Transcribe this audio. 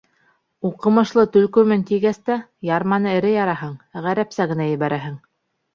Уҡымышлы төлкөмөн тигәс тә, ярманы эре яраһың, ғәрәпсә генә ебәрәһең.